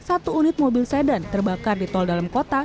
satu unit mobil sedan terbakar di tol dalam kota